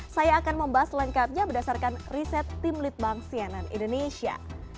saya akan membahas lengkapnya berdasarkan riset tim litbang sianan indonesia